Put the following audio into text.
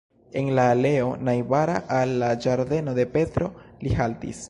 En la aleo, najbara al la ĝardeno de Petro, li haltis.